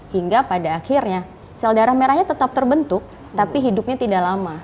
hingga pada akhirnya sel darah merahnya tetap terbentuk tapi hidupnya tidak lama